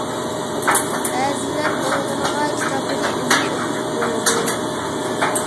بەزىلىرى بالىلىرىغا كىتابنى ئۆزى ئوقۇپ بېرىدۇ.